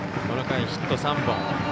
この回、ヒット３本。